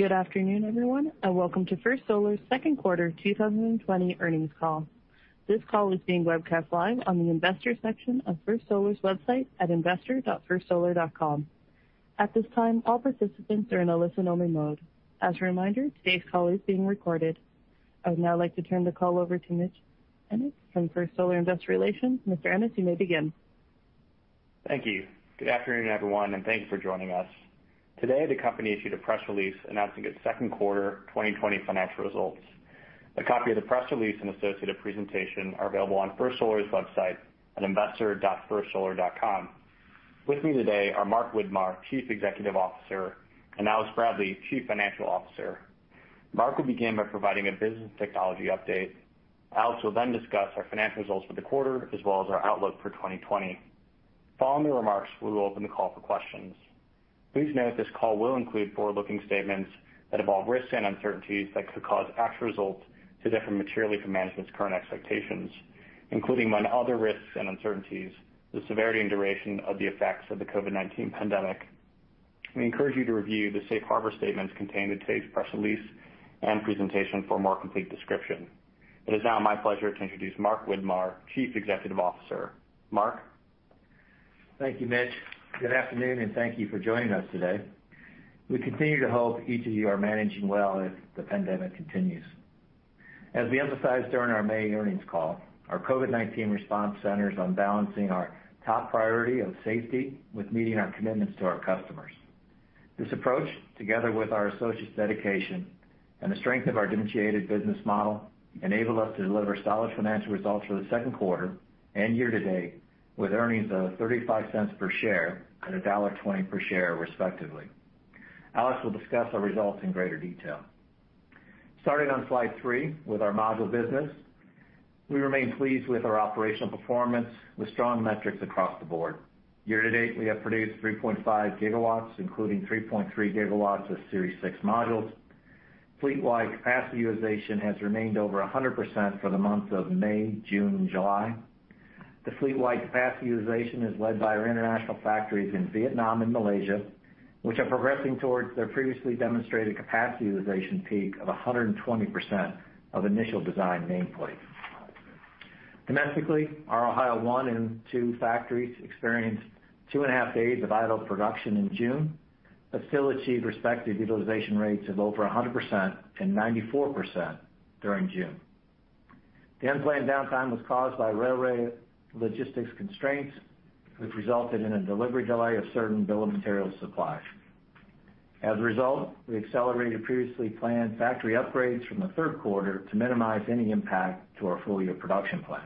Good afternoon, everyone, welcome to First Solar's second quarter 2020 earnings call. This call is being webcast live on the Investors section of firstsolar.com. At this time, all participants are in a listen-only mode. As a reminder, today's call is being recorded. I would now like to turn the call over to Mitch Ennis from First Solar Investor Relations. Mr. Ennis, you may begin. Thank you. Good afternoon, everyone, and thanks for joining us. Today, the company issued a press release announcing its second quarter 2020 financial results. A copy of the press release and associated presentation are available on First Solar's website at investor.firstsolar.com. With me today are Mark Widmar, Chief Executive Officer, and Alexander Bradley, Chief Financial Officer. Mark will begin by providing a business technology update. Alex will then discuss our financial results for the quarter as well as our outlook for 2020. Following the remarks, we will open the call for questions. Please note this call will include forward-looking statements that involve risks and uncertainties that could cause actual results to differ materially from management's current expectations, including, among other risks and uncertainties, the severity and duration of the effects of the COVID-19 pandemic. We encourage you to review the safe harbor statements contained in today's press release and presentation for a more complete description. It is now my pleasure to introduce Mark Widmar, Chief Executive Officer. Mark? Thank you, Mitch. Good afternoon, and thank you for joining us today. We continue to hope each of you are managing well as the pandemic continues. As we emphasized during our May earnings call, our COVID-19 response centers on balancing our top priority of safety with meeting our commitments to our customers. This approach, together with our associates' dedication and the strength of our differentiated business model, enabled us to deliver solid financial results for the second quarter and year-to-date, with earnings of $0.35 per share and $1.20 per share, respectively. Alex will discuss our results in greater detail. Starting on slide three with our module business. We remain pleased with our operational performance with strong metrics across the board. Year-to-date, we have produced 3.5 GW, including 3.3 GW of Series 6 modules. Fleet-wide capacity utilization has remained over 100% for the months of May, June, July. The fleet-wide capacity utilization is led by our international factories in Vietnam and Malaysia, which are progressing towards their previously demonstrated capacity utilization peak of 120% of initial design nameplate. Domestically, our Ohio One and Two factories experienced two and a half days of idle production in June, but still achieved respective utilization rates of over 100% and 94% during June. The unplanned downtime was caused by railway logistics constraints, which resulted in a delivery delay of certain bill of material supplies. As a result, we accelerated previously planned factory upgrades from the third quarter to minimize any impact to our full-year production plan.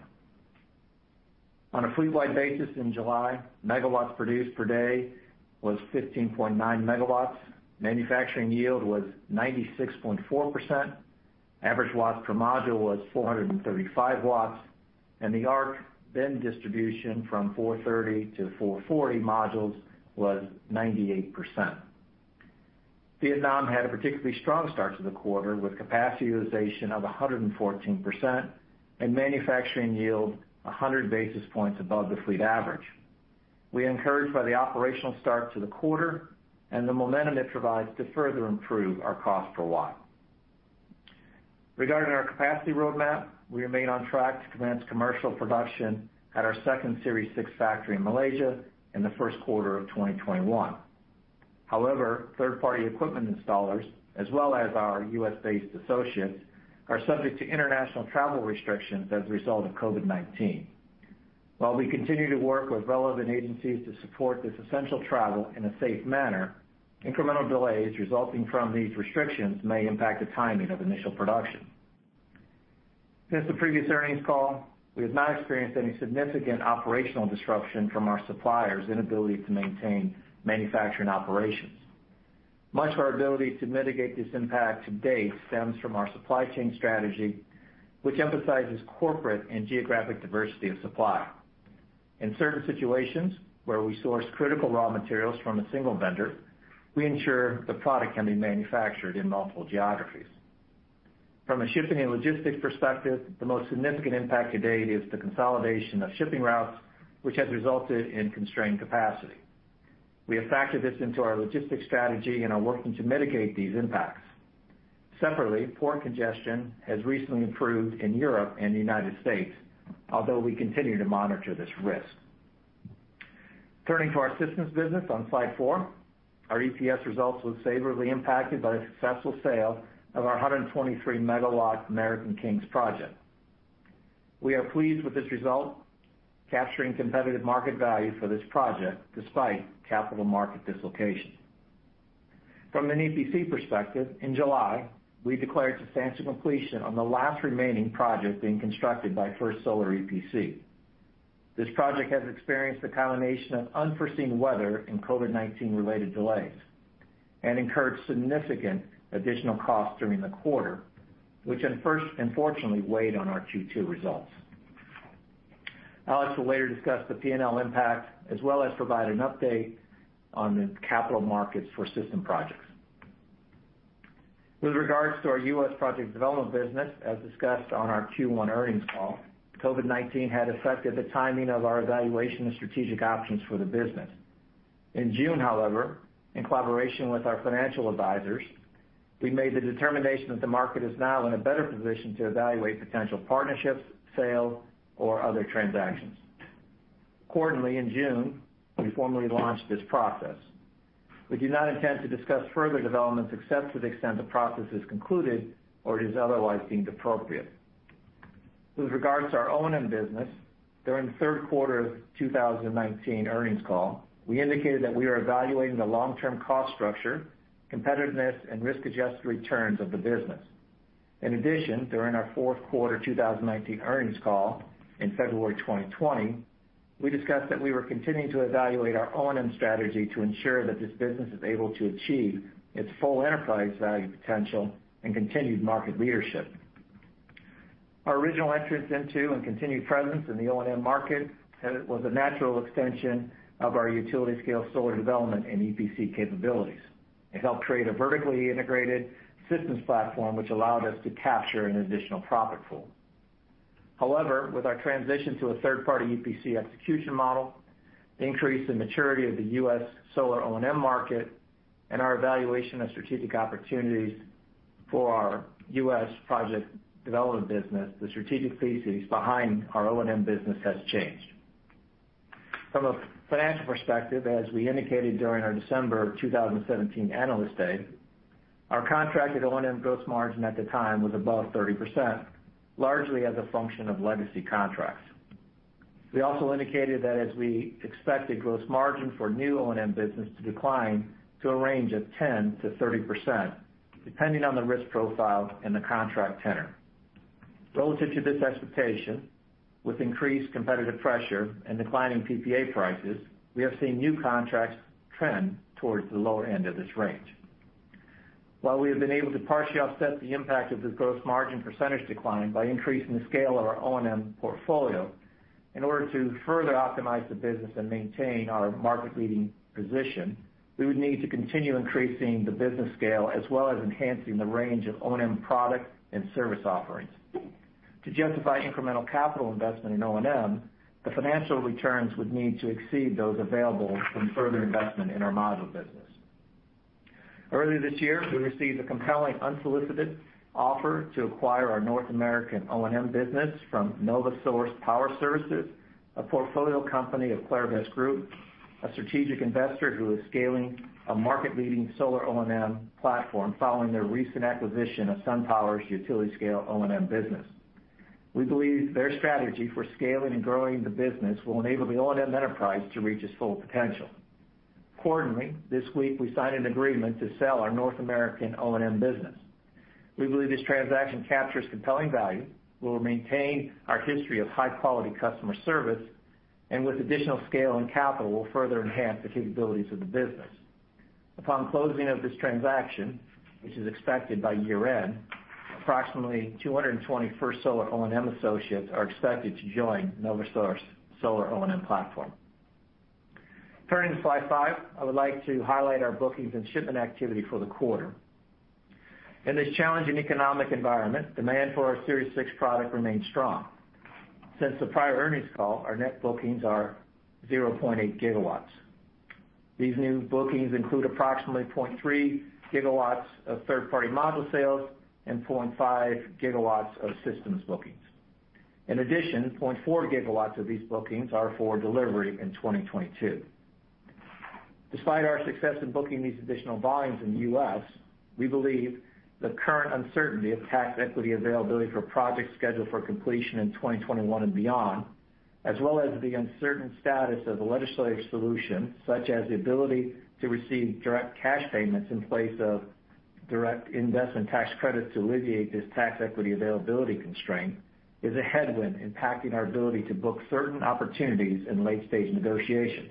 On a fleet-wide basis in July, MW produced per day was 15.9 MW. Manufacturing yield was 96.4%. Average W per module was 435 W, and the arc bin distribution from 430-440 modules was 98%. Vietnam had a particularly strong start to the quarter, with capacity utilization of 114% and manufacturing yield 100 basis points above the fleet average. We are encouraged by the operational start to the quarter and the momentum it provides to further improve our cost per watt. Regarding our capacity roadmap, we remain on track to commence commercial production at our second Series 6 factory in Malaysia in the first quarter of 2021. However, third-party equipment installers, as well as our U.S.-based associates, are subject to international travel restrictions as a result of COVID-19. While we continue to work with relevant agencies to support this essential travel in a safe manner, incremental delays resulting from these restrictions may impact the timing of initial production. Since the previous earnings call, we have not experienced any significant operational disruption from our suppliers' inability to maintain manufacturing operations. Much of our ability to mitigate this impact to date stems from our supply chain strategy, which emphasizes corporate and geographic diversity of supply. In certain situations where we source critical raw materials from a single vendor, we ensure the product can be manufactured in multiple geographies. From a shipping and logistics perspective, the most significant impact to date is the consolidation of shipping routes, which has resulted in constrained capacity. We have factored this into our logistics strategy and are working to mitigate these impacts. Separately, port congestion has recently improved in Europe and the U.S., although we continue to monitor this risk. Turning to our systems business on slide four. Our EPS results were favorably impacted by the successful sale of our 123 MW American Kings project. We are pleased with this result, capturing competitive market value for this project despite capital market dislocation. From an EPC perspective, in July, we declared substantial completion on the last remaining project being constructed by First Solar EPC. This project has experienced a combination of unforeseen weather and COVID-19 related delays and incurred significant additional costs during the quarter, which unfortunately weighed on our Q2 results. Alex will later discuss the P&L impact as well as provide an update on the capital markets for system projects. With regards to our U.S. project development business, as discussed on our Q1 earnings call, COVID-19 had affected the timing of our evaluation of strategic options for the business. In June, however, in collaboration with our financial advisors, we made the determination that the market is now in a better position to evaluate potential partnerships, sales, or other transactions. Accordingly, in June, we formally launched this process. We do not intend to discuss further developments except to the extent the process is concluded or it is otherwise deemed appropriate. With regards to our O&M business, during the third quarter of 2019 earnings call, we indicated that we are evaluating the long-term cost structure, competitiveness, and risk-adjusted returns of the business. In addition, during our fourth quarter 2019 earnings call in February 2020, we discussed that we were continuing to evaluate our O&M strategy to ensure that this business is able to achieve its full enterprise value potential and continued market leadership. Our original entrance into and continued presence in the O&M market was a natural extension of our utility-scale solar development and EPC capabilities. It helped create a vertically integrated systems platform, which allowed us to capture an additional profit pool. However, with our transition to a third-party EPC execution model, the increase in maturity of the U.S. solar O&M market, and our evaluation of strategic opportunities for our U.S. project development business, the strategic thesis behind our O&M business has changed. From a financial perspective, as we indicated during our December 2017 Analyst Day, our contracted O&M gross margin at the time was above 30%, largely as a function of legacy contracts. We also indicated that as we expected gross margin for new O&M business to decline to a range of 10%-30%, depending on the risk profile and the contract tenor. Relative to this expectation, with increased competitive pressure and declining PPA prices, we have seen new contracts trend towards the lower end of this range. While we have been able to partially offset the impact of this gross margin percentage decline by increasing the scale of our O&M portfolio, in order to further optimize the business and maintain our market-leading position, we would need to continue increasing the business scale as well as enhancing the range of O&M product and service offerings. To justify incremental capital investment in O&M, the financial returns would need to exceed those available from further investment in our module business. Earlier this year, we received a compelling unsolicited offer to acquire our North American O&M business from NovaSource Power Services, a portfolio company of Clairvest Group, a strategic investor who is scaling a market-leading solar O&M platform following their recent acquisition of SunPower's utility-scale O&M business. We believe their strategy for scaling and growing the business will enable the O&M enterprise to reach its full potential. Accordingly, this week, we signed an agreement to sell our North American O&M business. We believe this transaction captures compelling value, will maintain our history of high-quality customer service, and with additional scale and capital, will further enhance the capabilities of the business. Upon closing of this transaction, which is expected by year-end, approximately 220 First Solar O&M associates are expected to join NovaSource Power Services O&M platform. Turning to slide five, I would like to highlight our bookings and shipment activity for the quarter. In this challenging economic environment, demand for our Series 6 product remains strong. Since the prior earnings call, our net bookings are 0.8 GW. These new bookings include approximately 0.3 GW of third-party module sales and 0.5 GW of systems bookings. In addition, 0.4 GW of these bookings are for delivery in 2022. Despite our success in booking these additional volumes in the U.S., we believe the current uncertainty of tax equity availability for projects scheduled for completion in 2021 and beyond, as well as the uncertain status of the legislative solution, such as the ability to receive direct cash payments in place of direct Investment Tax Credits to alleviate this tax equity availability constraint, is a headwind impacting our ability to book certain opportunities in late-stage negotiations.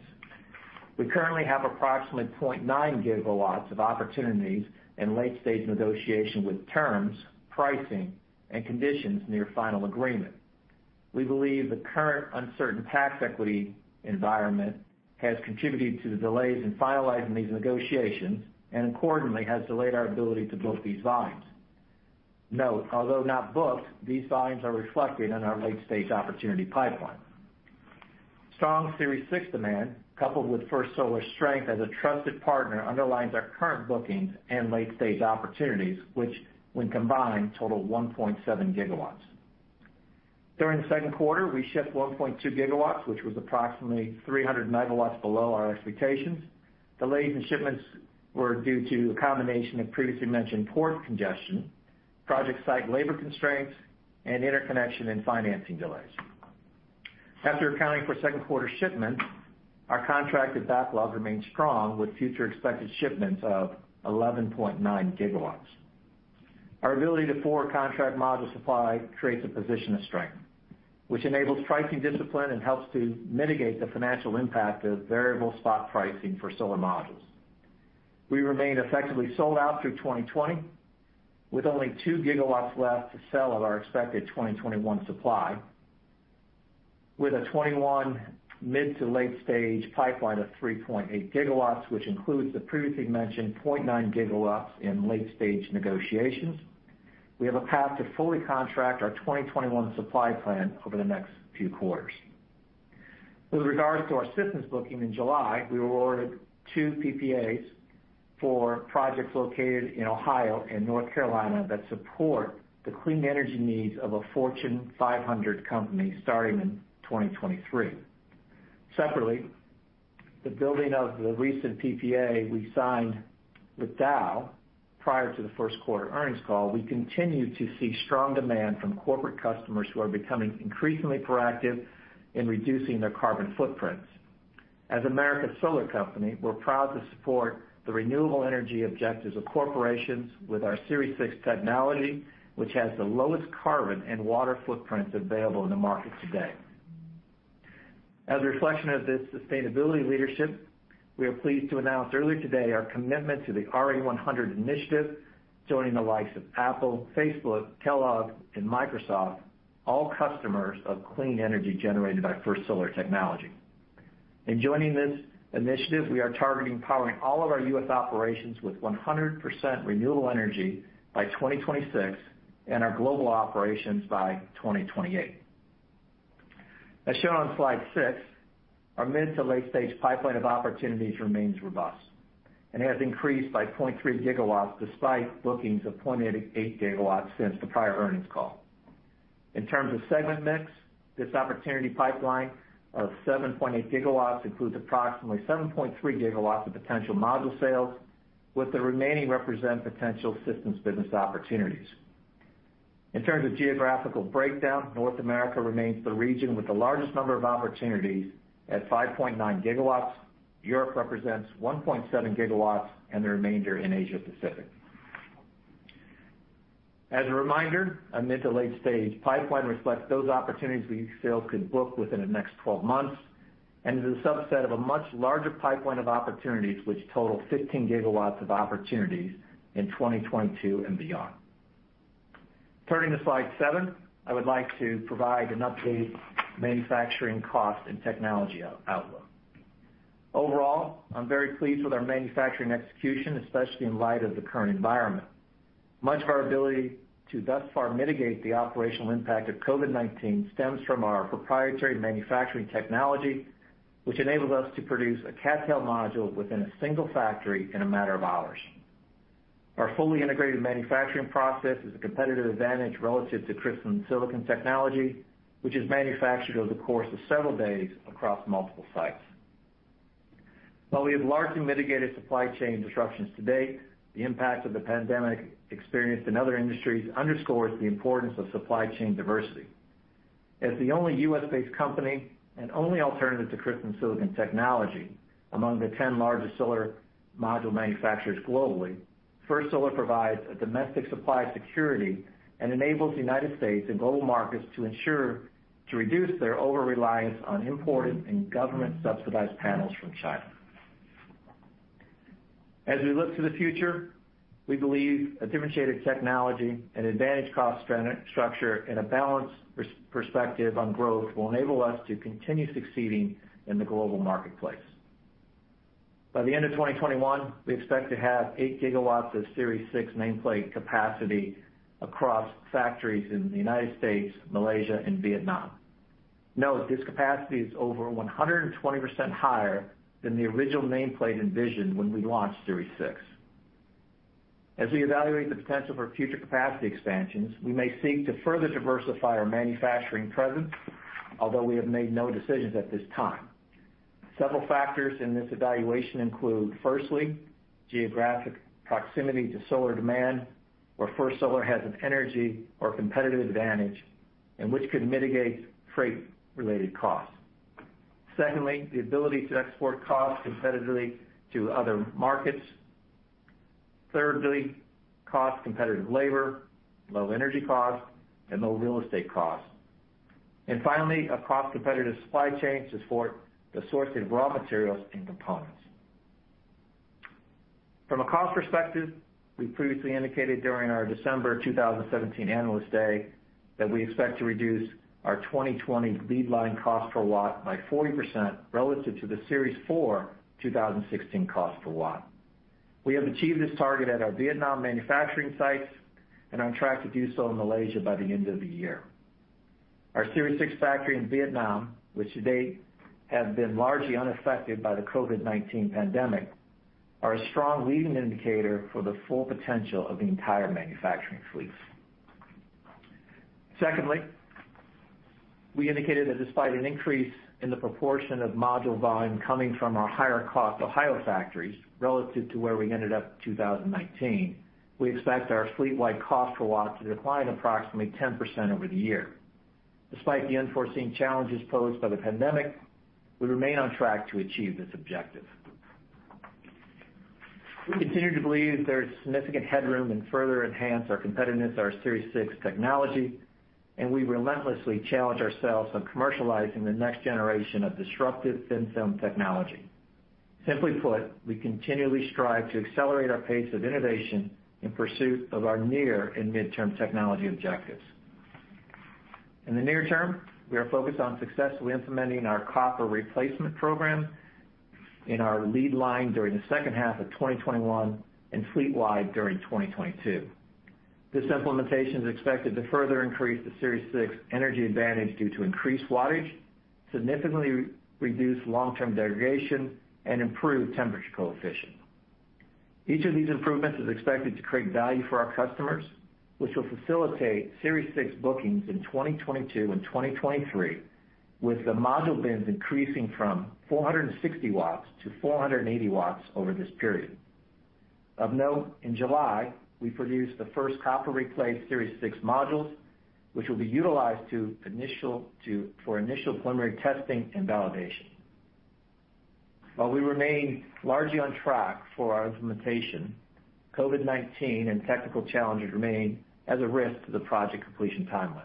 We currently have approximately 0.9 GW of opportunities in late-stage negotiation with terms, pricing, and conditions near final agreement. We believe the current uncertain tax equity environment has contributed to the delays in finalizing these negotiations, and accordingly, has delayed our ability to book these volumes. Note, although not booked, these volumes are reflected in our late-stage opportunity pipeline. Strong Series 6 demand, coupled with First Solar's strength as a trusted partner, underlines our current bookings and late-stage opportunities, which, when combined, total 1.7 GW. During the second quarter, we shipped 1.2 GW, which was approximately 300 MW below our expectations. Delays in shipments were due to a combination of previously mentioned port congestion, project site labor constraints, and interconnection and financing delays. After accounting for second quarter shipments, our contracted backlog remains strong with future expected shipments of 11.9 GW. Our ability to forward contract module supply creates a position of strength, which enables pricing discipline and helps to mitigate the financial impact of variable spot pricing for solar modules. We remain effectively sold out through 2020, with only two GW left to sell of our expected 2021 supply. With a 2021 mid to late stage pipeline of 3.8 GW, which includes the previously mentioned 0.9 GW in late stage negotiations. We have a path to fully contract our 2021 supply plan over the next few quarters. With regards to our systems booking in July, we were awarded two PPAs for projects located in Ohio and North Carolina that support the clean energy needs of a Fortune 500 company starting in 2023. Separately, the building of the recent PPA we signed with Dow prior to the first quarter earnings call, we continue to see strong demand from corporate customers who are becoming increasingly proactive in reducing their carbon footprints. As America's solar company, we're proud to support the renewable energy objectives of corporations with our Series 6 technology, which has the lowest carbon and water footprints available in the market today. As a reflection of this sustainability leadership, we are pleased to announce earlier today our commitment to the RE100 initiative, joining the likes of Apple, Facebook, Kellogg, and Microsoft, all customers of clean energy generated by First Solar technology. In joining this initiative, we are targeting powering all of our U.S. operations with 100% renewable energy by 2026 and our global operations by 2028. As shown on slide six, our mid to late stage pipeline of opportunities remains robust and has increased by 0.3 GW despite bookings of [28] GW since the prior earnings call. In terms of segment mix, this opportunity pipeline of 7.8 GW includes approximately 7.3 GW of potential module sales, with the remaining represent potential systems business opportunities. In terms of geographical breakdown, North America remains the region with the largest number of opportunities at 5.9 GW. Europe represents 1.7 GW and the remainder in Asia Pacific. As a reminder, a mid to late stage pipeline reflects those opportunities we feel could book within the next 12 months, and is a subset of a much larger pipeline of opportunities which total 15 GW of opportunities in 2022 and beyond. Turning to slide seven, I would like to provide an updated manufacturing cost and technology outlook. Overall, I'm very pleased with our manufacturing execution, especially in light of the current environment. Much of our ability to thus far mitigate the operational impact of COVID-19 stems from our proprietary manufacturing technology, which enables us to produce a CdTe module within a single factory in a matter of hours. Our fully integrated manufacturing process is a competitive advantage relative to crystalline silicon technology, which is manufactured over the course of several days across multiple sites. While we have largely mitigated supply chain disruptions to date, the impact of the pandemic experienced in other industries underscores the importance of supply chain diversity. As the only U.S.-based company and only alternative to crystalline silicon technology among the 10 largest solar module manufacturers globally, First Solar provides a domestic supply security and enables the United States and global markets to ensure to reduce their overreliance on imported and government-subsidized panels from China. As we look to the future, we believe a differentiated technology, an advantage cost structure, and a balanced perspective on growth will enable us to continue succeeding in the global marketplace. By the end of 2021, we expect to have eight GW of Series 6 nameplate capacity across factories in the U.S., Malaysia, and Vietnam. Note, this capacity is over 120% higher than the original nameplate envisioned when we launched Series 6. As we evaluate the potential for future capacity expansions, we may seek to further diversify our manufacturing presence, although we have made no decisions at this time. Several factors in this evaluation include, firstly, geographic proximity to solar demand, where First Solar has an energy or competitive advantage, and which could mitigate freight-related costs. Secondly, the ability to export costs competitively to other markets. Thirdly, cost-competitive labor, low energy costs, and low real estate costs. Finally, a cost-competitive supply chain to support the sourcing of raw materials and components. From a cost perspective, we previously indicated during our December 2017 Analyst Day that we expect to reduce our 2020 lead line cost per watt by 40% relative to the Series 4 2016 cost per watt. We have achieved this target at our Vietnam manufacturing sites and are on track to do so in Malaysia by the end of the year. Our Series 6 factory in Vietnam, which to date have been largely unaffected by the COVID-19 pandemic, are a strong leading indicator for the full potential of the entire manufacturing fleet. Secondly, we indicated that despite an increase in the proportion of module volume coming from our higher cost Ohio factories relative to where we ended up 2019, we expect our fleetwide cost per watt to decline approximately 10% over the year. Despite the unforeseen challenges posed by the pandemic, we remain on track to achieve this objective. We continue to believe there is significant headroom and further enhance our competitiveness, our Series 6 technology, and we relentlessly challenge ourselves on commercializing the next generation of disruptive thin film technology. Simply put, we continually strive to accelerate our pace of innovation in pursuit of our near and midterm technology objectives. In the near term, we are focused on successfully implementing our copper replacement program in our lead line during the second half of 2021 and fleet-wide during 2022. This implementation is expected to further increase the Series 6 energy advantage due to increased wattage, significantly reduce long-term degradation, and improve temperature coefficient. Each of these improvements is expected to create value for our customers, which will facilitate Series 6 bookings in 2022 and 2023, with the power bins increasing from 460 W to 480 W over this period. Of note, in July, we produced the first copper replace Series 6 modules, which will be utilized for initial preliminary testing and validation. While we remain largely on track for our implementation, COVID-19 and technical challenges remain as a risk to the project completion timeline.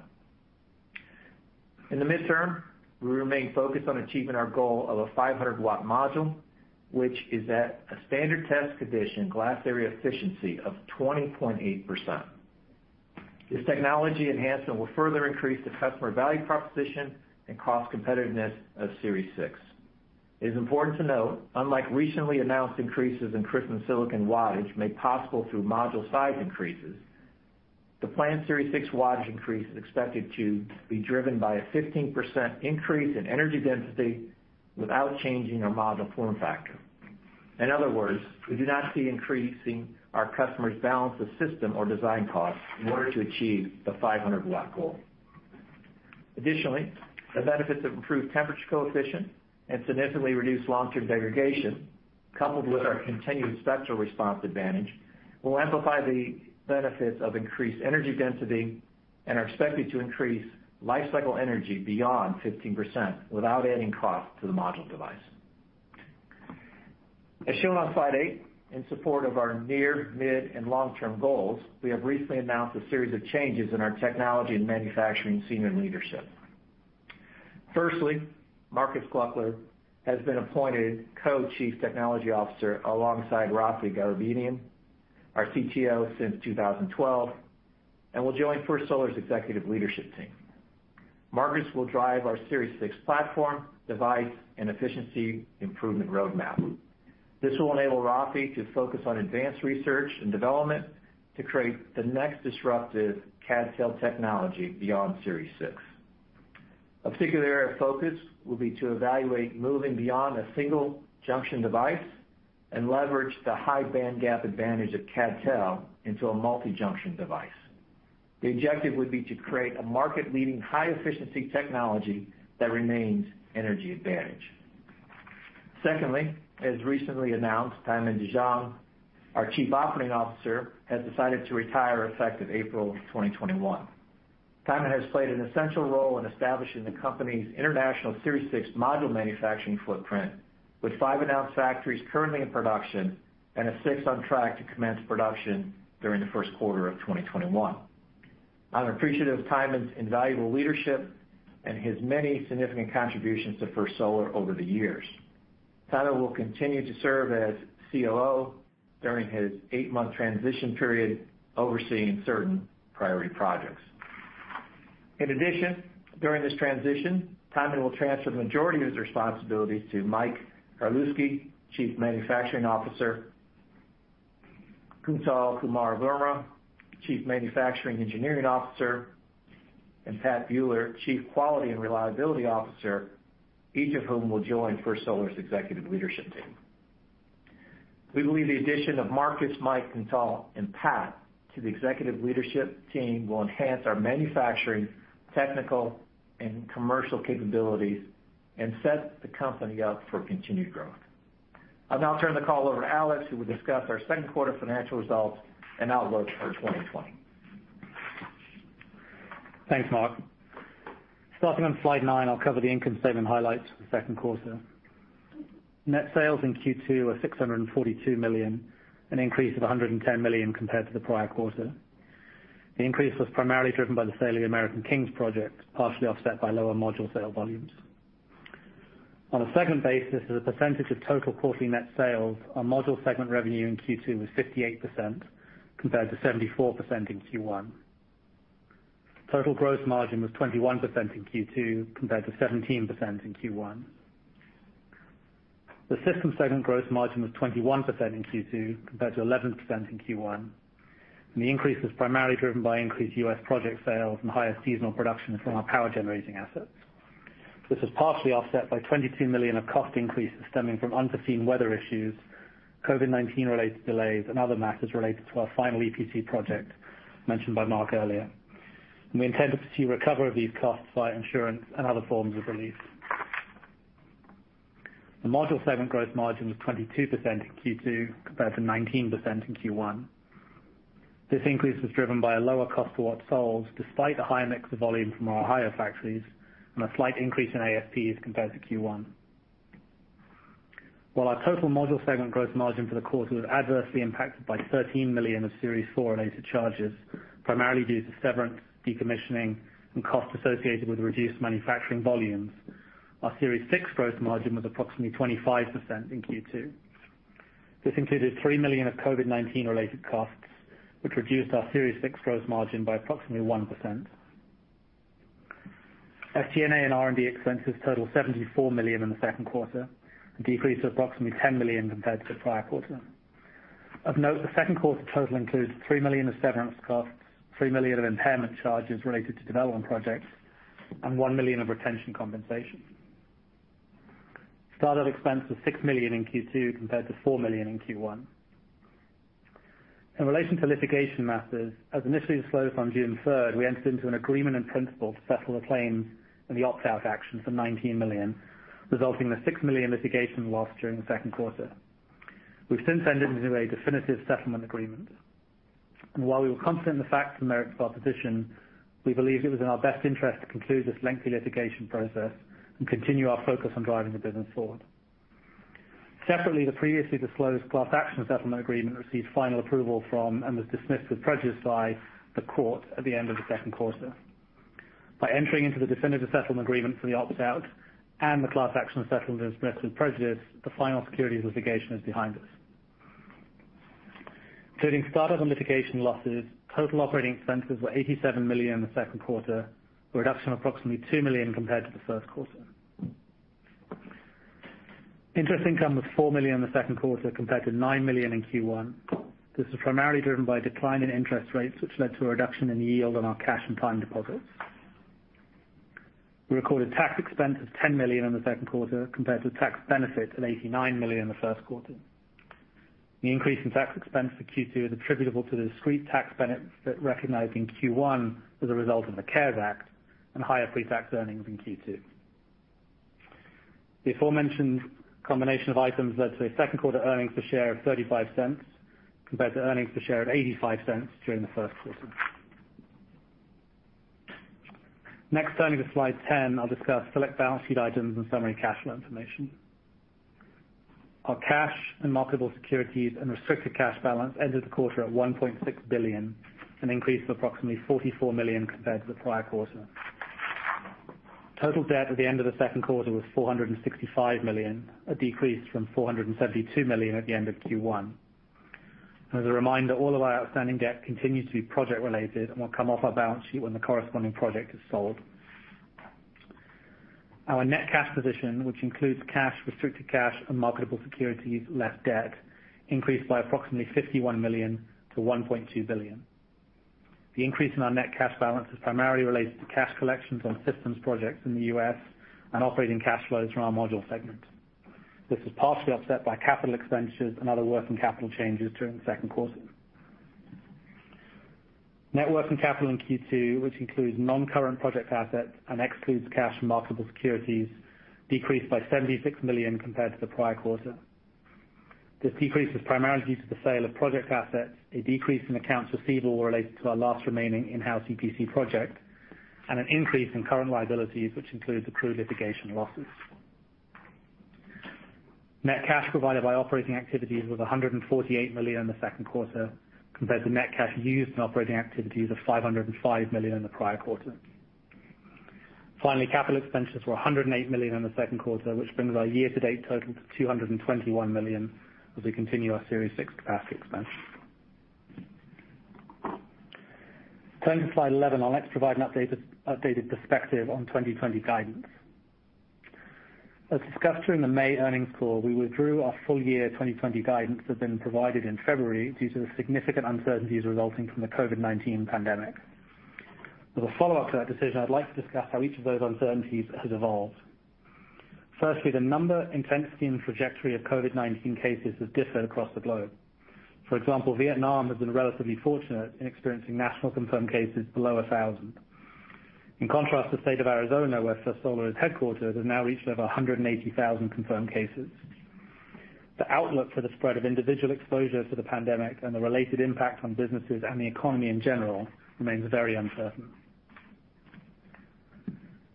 In the midterm, we remain focused on achieving our goal of a 500 W module, which is at a standard test condition glass area efficiency of 20.8%. This technology enhancement will further increase the customer value proposition and cost competitiveness of Series 6. It is important to note, unlike recently announced increases in crystalline silicon wattage made possible through module size increases, the planned Series 6 wattage increase is expected to be driven by a 15% increase in energy density without changing our module form factor. In other words, we do not see increasing our customers' balance of system or design costs in order to achieve the 500-watt goal. Additionally, the benefits of improved temperature coefficient and significantly reduced long-term degradation, coupled with our continued spectral response advantage, will amplify the benefits of increased energy density and are expected to increase life cycle energy beyond 15% without adding cost to the module device. As shown on slide eight, in support of our near, mid, and long-term goals, we have recently announced a series of changes in our technology and manufacturing senior leadership. Firstly, Markus Gloeckler has been appointed co-Chief Technology Officer alongside Raffi Garabedian, our CTO since 2012, and will join First Solar's executive leadership team. Markus will drive our Series 6 platform, device, and efficiency improvement roadmap. This will enable Raffi to focus on advanced research and development to create the next disruptive CdTe technology beyond Series 6. A particular area of focus will be to evaluate moving beyond a single junction device and leverage the high band gap advantage of CdTe into a multi-junction device. The objective would be to create a market-leading high efficiency technology that remains energy advantage. Secondly, as recently announced, Tymen deJong, our Chief Operating Officer, has decided to retire effective April 2021. Thamen has played an essential role in establishing the company's international Series 6 module manufacturing footprint with five announced factories currently in production and a sixth on track to commence production during the first quarter of 2021. I'm appreciative of Thamen's invaluable leadership and his many significant contributions to First Solar over the years. Thamen will continue to serve as COO during his eight-month transition period, overseeing certain priority projects. In addition, during this transition, Thamen will transfer the majority of his responsibilities to Mike Garlewski, Chief Manufacturing Officer, Kuntal Kumar Verma, Chief Manufacturing Engineering Officer, and Pat Buehler, Chief Quality and Reliability Officer, each of whom will join First Solar's executive leadership team. We believe the addition of Markus, Mike, Kuntal, and Pat to the executive leadership team will enhance our manufacturing, technical, and commercial capabilities and set the company up for continued growth. I'll now turn the call over to Alex, who will discuss our second quarter financial results and outlook for 2020. Thanks, Mark. Starting on slide nine, I'll cover the income statement highlights for the second quarter. Net sales in Q2 were $642 million, an increase of $110 million compared to the prior quarter. The increase was primarily driven by the sale of the American Kings project, partially offset by lower module sale volumes. On a segment basis, as a percentage of total quarterly net sales, our module segment revenue in Q2 was 58%, compared to 74% in Q1. Total gross margin was 21% in Q2, compared to 17% in Q1. The system segment gross margin was 21% in Q2, compared to 11% in Q1, and the increase was primarily driven by increased U.S. project sales and higher seasonal production from our power generating assets. This was partially offset by $22 million of cost increases stemming from unforeseen weather issues, COVID-19 related delays, and other matters related to our final EPC project mentioned by Mark earlier. We intend to pursue recovery of these costs via insurance and other forms of relief. The module segment gross margin was 22% in Q2, compared to 19% in Q1. This increase was driven by a lower cost to W sold, despite a higher mix of volume from our Ohio factories and a slight increase in ASPs compared to Q1. While our total module segment gross margin for the quarter was adversely impacted by $13 million of Series 4 related charges, primarily due to severance, decommissioning, and costs associated with reduced manufacturing volumes, our Series 6 gross margin was approximately 25% in Q2. This included $3 million of COVID-19 related costs, which reduced our Series 6 gross margin by approximately 1%. SG&A and R&D expenses totaled $74 million in the second quarter, a decrease of approximately $10 million compared to the prior quarter. Of note, the second quarter total includes $3 million of severance costs, $3 million of impairment charges related to development projects, and $1 million of retention compensation. Startup expense was $6 million in Q2 compared to $4 million in Q1. In relation to litigation matters, as initially disclosed on June 3rd, we entered into an agreement in principle to settle a claim in the opt-out action for $19 million, resulting in a $6 million litigation loss during the second quarter. We've since entered into a definitive settlement agreement. While we were confident in the facts and merits of our position, we believed it was in our best interest to conclude this lengthy litigation process and continue our focus on driving the business forward. Separately, the previously disclosed class action settlement agreement received final approval from, and was dismissed with prejudice by, the court at the end of the second quarter. By entering into the definitive settlement agreement for the opt-out and the class action settlement is dismissed with prejudice, the final securities litigation is behind us. Including startup and litigation losses, total operating expenses were $87 million in the second quarter, a reduction of approximately $2 million compared to the first quarter. Interest income was $4 million in the second quarter compared to $9 million in Q1. This was primarily driven by a decline in interest rates, which led to a reduction in yield on our cash and time deposits. We recorded tax expense of $10 million in the second quarter compared to tax benefit of $89 million in the first quarter. The increase in tax expense for Q2 is attributable to the discrete tax benefit recognized in Q1 as a result of the CARES Act and higher pre-tax earnings in Q2. The aforementioned combination of items led to a second quarter earnings per share of $0.35 compared to earnings per share of $0.85 during the first quarter. Next, turning to slide 10, I'll discuss select balance sheet items and summary cash flow information. Our cash and marketable securities and restricted cash balance ended the quarter at $1.6 billion, an increase of approximately $44 million compared to the prior quarter. Total debt at the end of the second quarter was $465 million, a decrease from $472 million at the end of Q1. As a reminder, all of our outstanding debt continues to be project related and will come off our balance sheet when the corresponding project is sold. Our net cash position, which includes cash, restricted cash and marketable securities, less debt, increased by approximately $51 million to $1.2 billion. The increase in our net cash balance is primarily related to cash collections on systems projects in the U.S. and operating cash flows from our module segment. This was partially offset by capital expenditures and other working capital changes during the second quarter. Net working capital in Q2, which includes non-current project assets and excludes cash and marketable securities, decreased by $76 million compared to the prior quarter. This decrease was primarily due to the sale of project assets, a decrease in accounts receivable related to our last remaining in-house EPC project, and an increase in current liabilities, which includes accrued litigation losses. Net cash provided by operating activities was $148 million in the second quarter compared to net cash used in operating activities of $505 million in the prior quarter. Capital expenditures were $108 million in the second quarter, which brings our year-to-date total to $221 million as we continue our Series 6 capacity expansion. Turning to slide 11, I'll next provide an updated perspective on 2020 guidance. As discussed during the May earnings call, we withdrew our full year 2020 guidance that had been provided in February due to the significant uncertainties resulting from the COVID-19 pandemic. As a follow-up to that decision, I'd like to discuss how each of those uncertainties has evolved. Firstly, the number, intensity, and trajectory of COVID-19 cases has differed across the globe. For example, Vietnam has been relatively fortunate in experiencing national confirmed cases below 1,000. In contrast, the state of Arizona, where First Solar is headquartered, has now reached over 180,000 confirmed cases. The outlook for the spread of individual exposure to the pandemic and the related impact on businesses and the economy in general remains very uncertain.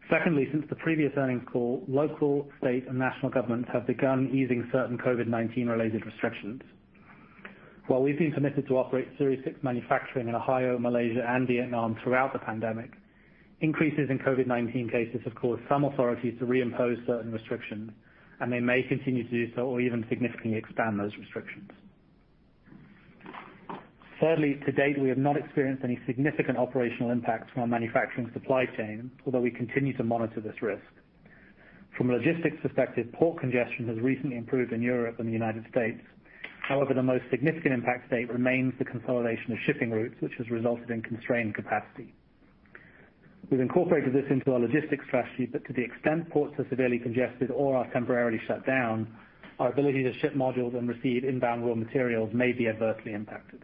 Secondly, since the previous earnings call, local, state, and national governments have begun easing certain COVID-19 related restrictions. While we've been permitted to operate Series 6 manufacturing in Ohio, Malaysia, and Vietnam throughout the pandemic, increases in COVID-19 cases have caused some authorities to reimpose certain restrictions, and they may continue to do so or even significantly expand those restrictions. Thirdly, to date, we have not experienced any significant operational impacts from our manufacturing supply chain, although we continue to monitor this risk. From a logistics perspective, port congestion has recently improved in Europe and the U.S. However, the most significant impact to date remains the consolidation of shipping routes, which has resulted in constrained capacity. We've incorporated this into our logistics strategy, but to the extent ports are severely congested or are temporarily shut down, our ability to ship modules and receive inbound raw materials may be adversely impacted.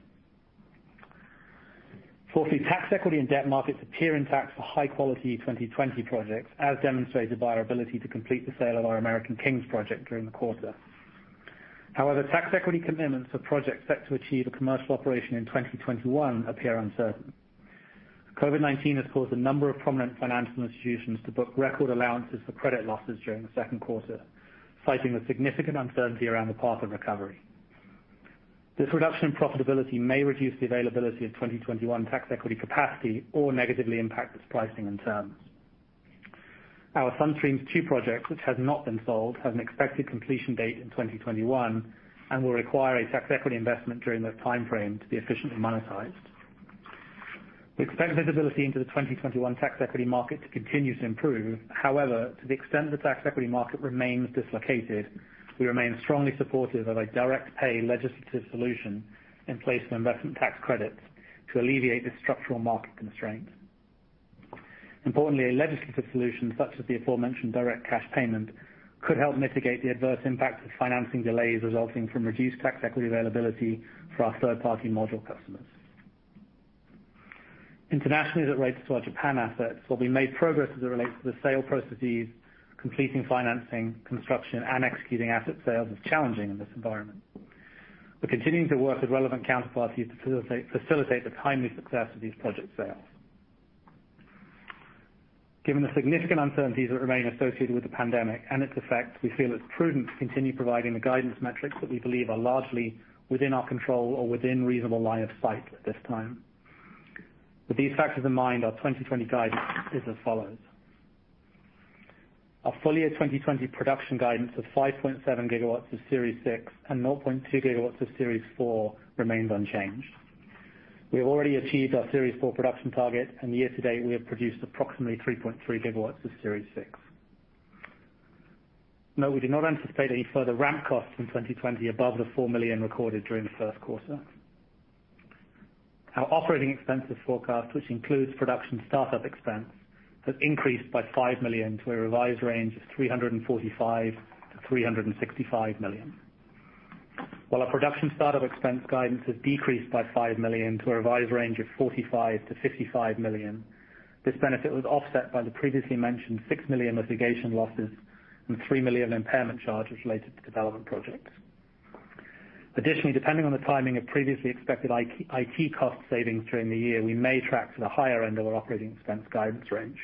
Fourthly, tax equity and debt markets appear intact for high-quality 2020 projects, as demonstrated by our ability to complete the sale of our American Kings project during the quarter. Tax equity commitments for projects set to achieve a commercial operation in 2021 appear uncertain. COVID-19 has caused a number of prominent financial institutions to book record allowances for credit losses during the second quarter, citing the significant uncertainty around the path of recovery. This reduction in profitability may reduce the availability of 2021 tax equity capacity or negatively impact its pricing and terms. Our Sun Streams two project, which has not been sold, has an expected completion date in 2021 and will require a tax equity investment during that timeframe to be efficiently monetized. We expect visibility into the 2021 tax equity market to continue to improve. To the extent the tax equity market remains dislocated, we remain strongly supportive of a direct pay legislative solution in place of Investment Tax Credits to alleviate the structural market constraint. Importantly, a legislative solution such as the aforementioned direct cash payment could help mitigate the adverse impact of financing delays resulting from reduced tax equity availability for our third-party module customers. Internationally, as it relates to our Japan assets, while we made progress as it relates to the sale processes, completing financing, construction, and executing asset sales is challenging in this environment. We're continuing to work with relevant counterparties to facilitate the timely success of these project sales. Given the significant uncertainties that remain associated with the pandemic and its effects, we feel it's prudent to continue providing the guidance metrics that we believe are largely within our control or within reasonable line of sight at this time. With these factors in mind, our 2020 guidance is as follows. Our full year 2020 production guidance of 5.7 GW of Series 6 and 0.2 GW of Series 4 remains unchanged. We have already achieved our Series 4 production target, and year to date, we have produced approximately 3.3 GW of Series 6. No, we do not anticipate any further ramp costs in 2020 above the $4 million recorded during the first quarter. Our operating expenses forecast, which includes production startup expense, has increased by $5 million to a revised range of $345 million-$365 million. While our production startup expense guidance has decreased by $5 million to a revised range of $45 million-$55 million, this benefit was offset by the previously mentioned $6 million litigation losses and $3 million impairment charges related to development projects. Additionally, depending on the timing of previously expected IT cost savings during the year, we may track to the higher end of our operating expense guidance range.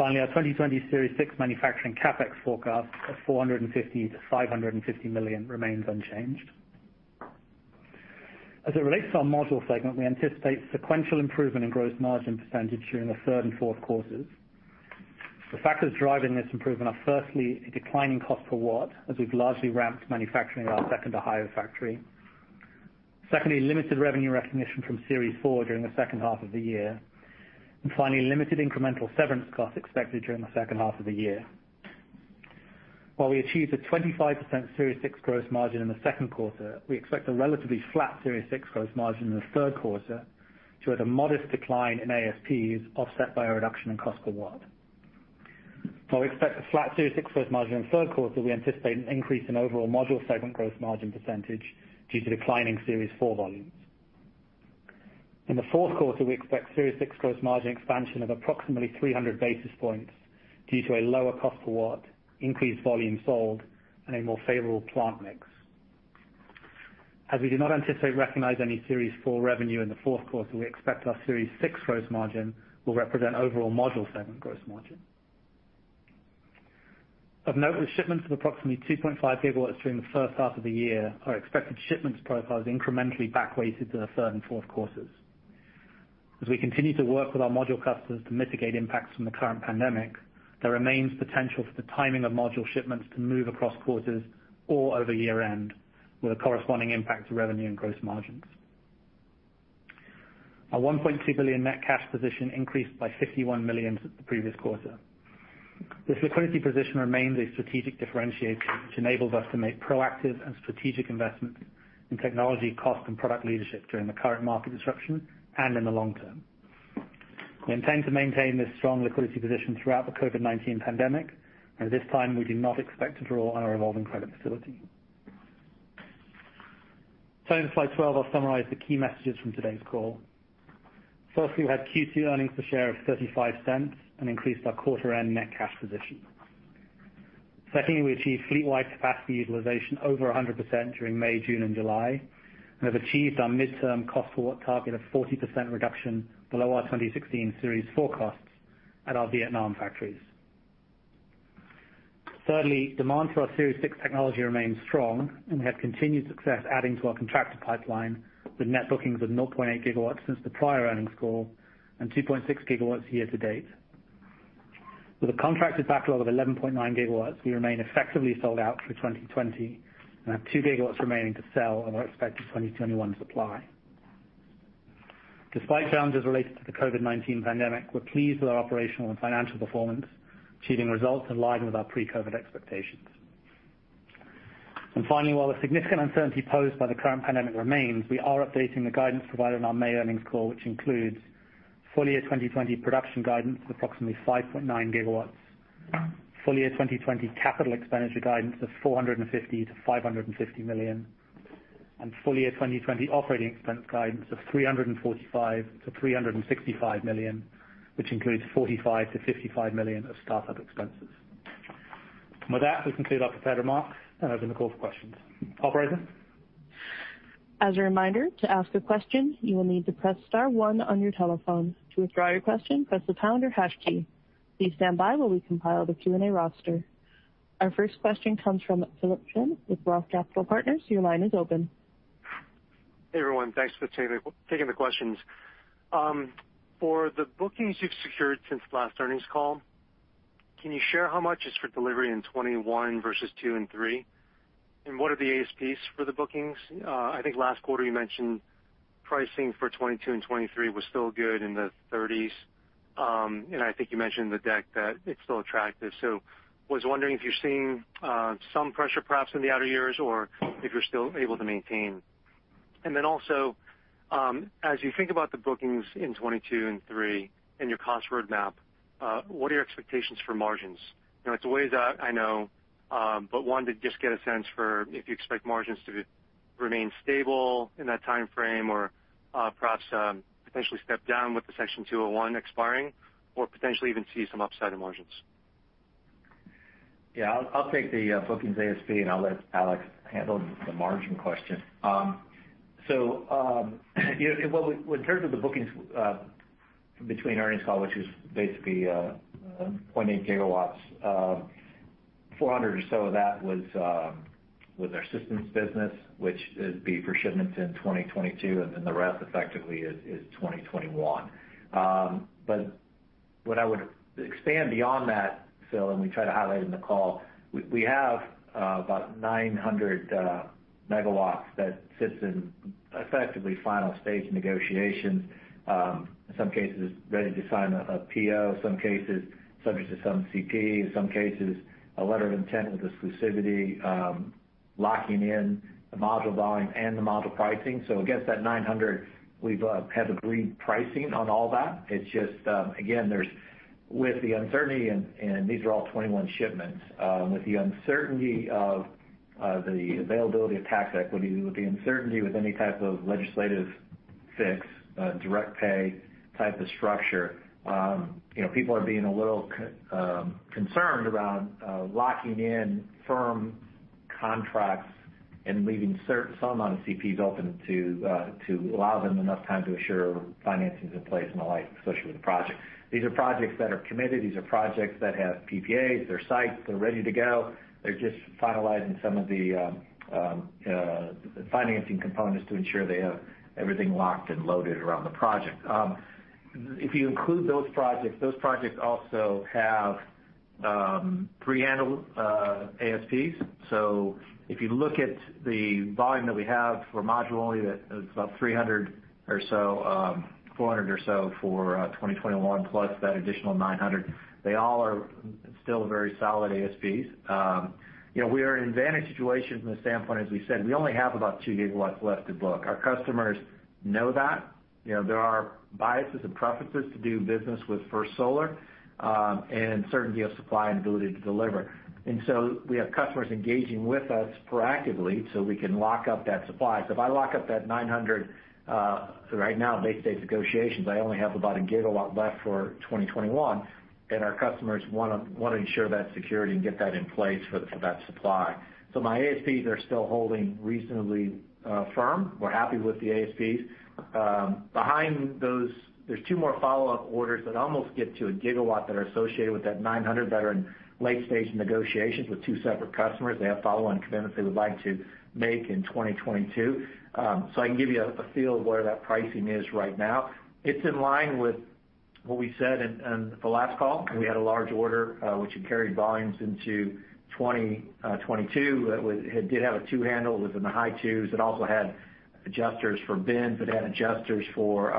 Our 2020 Series 6 manufacturing CapEx forecast of $450 million-$550 million remains unchanged. As it relates to our module segment, we anticipate sequential improvement in gross margin percentage during the third and fourth quarters. The factors driving this improvement are, firstly, a declining cost per watt, as we've largely ramped manufacturing our second Ohio factory. Secondly, limited revenue recognition from Series 4 during the second half of the year. Finally, limited incremental severance costs expected during the second half of the year. While we achieved a 25% Series 6 gross margin in the second quarter, we expect a relatively flat Series 6 gross margin in the third quarter to have a modest decline in ASPs offset by a reduction in cost per watt. While we expect a flat Series 6 gross margin in the third quarter, we anticipate an increase in overall module segment gross margin percentage due to declining Series 4 volumes. In the fourth quarter, we expect Series 6 gross margin expansion of approximately 300 basis points due to a lower cost per watt, increased volume sold, and a more favorable plant mix. As we do not anticipate recognizing any Series 4 revenue in the fourth quarter, we expect our Series 6 gross margin will represent overall module segment gross margin. Of note with shipments of approximately 2.5 GW during the first half of the year, our expected shipments profile is incrementally back weighted to the third and fourth quarters. As we continue to work with our module customers to mitigate impacts from the current pandemic, there remains potential for the timing of module shipments to move across quarters or over year-end with a corresponding impact to revenue and gross margins. Our $1.2 billion net cash position increased by $51 million since the previous quarter. This liquidity position remains a strategic differentiator, which enables us to make proactive and strategic investments in technology, cost, and product leadership during the current market disruption and in the long term. We intend to maintain this strong liquidity position throughout the COVID-19 pandemic, and at this time, we do not expect to draw on our revolving credit facility. Turning to slide 12, I'll summarize the key messages from today's call. Firstly, we had Q2 earnings per share of $0.35 and increased our quarter end net cash position. Secondly, we achieved fleet-wide capacity utilization over 100% during May, June, and July, and have achieved our midterm cost per watt target of 40% reduction below our 2016 Series 4 costs at our Vietnam factories. Thirdly, demand for our Series 6 technology remains strong, and we have continued success adding to our contracted pipeline with net bookings of 0.8 GW since the prior earnings call and 2.6 GW year to date. With a contracted backlog of 11.9 GW, we remain effectively sold out for 2020 and have two GW remaining to sell on our expected 2021 supply. Despite challenges related to the COVID-19 pandemic, we're pleased with our operational and financial performance, achieving results in line with our pre-COVID expectations. Finally, while the significant uncertainty posed by the current pandemic remains, we are updating the guidance provided on our May earnings call, which includes full year 2020 production guidance of approximately 5.9 GW, full year 2020 capital expenditure guidance of $450 million-$550 million, and full year 2020 operating expense guidance of $345 million-$365 million, which includes $45 million-$55 million of startup expenses. With that, we conclude our prepared remarks and open the call for questions. Operator? As a reminder, to ask a question, you will need to press star one on your telephone. To withdraw your question, press the pound or hash key. Please stand by while we compile the Q&A roster. Our first question comes from Philip Shen with ROTH Capital Partners. Your line is open. Hey everyone, thanks for taking the questions. For the bookings you've secured since the last earnings call, can you share how much is for delivery in 2021 versus 2022 and 2023? What are the ASPs for the bookings? I think last quarter you mentioned pricing for 2022 and 2023 was still good in the 30s. I think you mentioned in the deck that it's still attractive. Was wondering if you're seeing some pressure perhaps in the outer years or if you're still able to maintain. Also, as you think about the bookings in 2022 and 2023 and your cost roadmap, what are your expectations for margins? It's a ways out, I know, but wanted to just get a sense for if you expect margins to remain stable in that timeframe or perhaps potentially step down with the Section 201 expiring or potentially even see some upside in margins. Yeah, I'll take the bookings ASP, and I'll let Alex handle the margin question. In terms of the bookings between earnings call, which was basically 0.8 GW, 400 or so of that was our systems business, which would be for shipments in 2022, and then the rest effectively is 2021. What I would expand beyond that, Phil, and we tried to highlight in the call, we have about 900 MW that sits in effectively final stage negotiations. In some cases, ready to sign a PO, some cases subject to some CPs, some cases a letter of intent with exclusivity, locking in the module volume and the module pricing. Against that 900, we've had agreed pricing on all that. It's just, again, with the uncertainty, and these are all 2021 shipments, with the uncertainty of the availability of tax equity, with the uncertainty with any type of legislative fix, direct pay type of structure, people are being a little concerned around locking in firm contracts and leaving some amount of CPs open to allow them enough time to assure financing's in place and the like, especially with the project. These are projects that are committed. These are projects that have PPAs. They're sites. They're ready to go. They're just finalizing some of the financing components to ensure they have everything locked and loaded around the project. If you include those projects, those projects also have 3 handle ASPs. If you look at the volume that we have for module only, that's about 300 or so, 400 or so for 2021 plus that additional 900. They all are still very solid ASPs. We are in a vantage situation from the standpoint, as we said, we only have about two GW left to book. Our customers know that. There are biases and preferences to do business with First Solar, and certainty of supply and ability to deliver. We have customers engaging with us proactively so we can lock up that supply. If I lock up that 900 right now in late-stage negotiations, I only have about a gigawatt left for 2021. Our customers want to ensure that security and get that in place for that supply. My ASPs are still holding reasonably firm. We're happy with the ASPs. Behind those, there's two more follow-up orders that almost get to a gigawatt that are associated with that 900 that are in late-stage negotiations with two separate customers. They have follow-on commitments they would like to make in 2022. I can give you a feel of where that pricing is right now. It's in line with what we said in the last call, when we had a large order, which had carried volumes into 2022. It did have a two handle. It was in the high twos. It also had adjusters for power bin, but it had adjusters for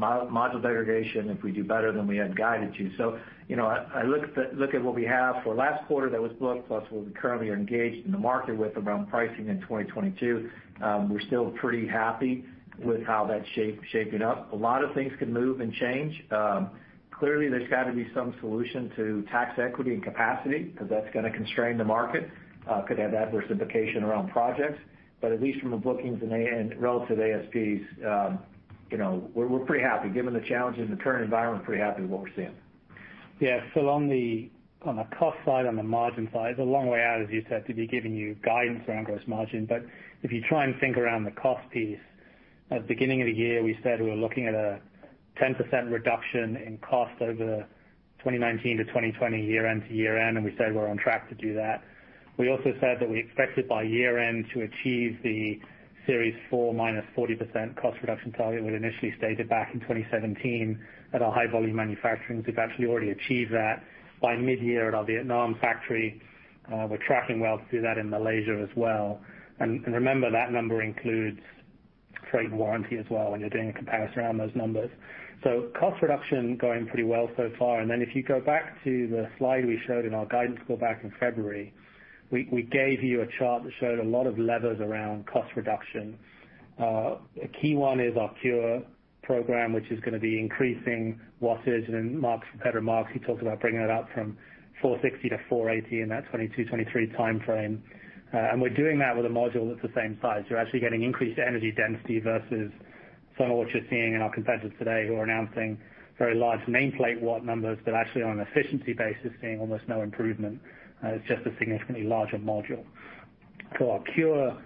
module degradation if we do better than we had guided to. I look at what we have for last quarter that was booked, plus what we currently are engaged in the market with around pricing in 2022. We're still pretty happy with how that's shaping up. A lot of things could move and change. Clearly, there's got to be some solution to tax equity and capacity, because that's going to constrain the market. Could have adverse implication around projects. At least from the bookings and relative ASPs, we're pretty happy. Given the challenges and the current environment, we're pretty happy with what we're seeing. Yeah, Phil, on the cost side, on the margin side, it's a long way out, as you said, to be giving you guidance around gross margin. If you try and think around the cost piece, at the beginning of the year, we said we were looking at a 10% reduction in cost over 2019-2020 year-end to year-end, and we said we're on track to do that. We also said that we expected by year-end to achieve the Series 4 minus 40% cost reduction target we'd initially stated back in 2017 at our high volume manufacturing. We've actually already achieved that by mid-year at our Vietnam factory. We're tracking well to do that in Malaysia as well. Remember, that number includes freight and warranty as well when you're doing a comparison around those numbers. Cost reduction going pretty well so far. If you go back to the slide we showed in our guidance call back in February, we gave you a chart that showed a lot of levers around cost reduction. A key one is our CuRe program, which is going to be increasing wattage. Marks, he talked about bringing that up from 460-480 in that 2022, 2023 timeframe. We're doing that with a module that's the same size. We're actually getting increased energy density versus some of what you're seeing in our competitors today, who are announcing very large nameplate watt numbers, but actually on an efficiency basis, seeing almost no improvement. It's just a significantly larger module. Our CuRe